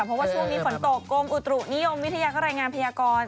เพราะว่าช่วงนี้ฝนตกกรมอุตุนิยมวิทยาก็รายงานพยากร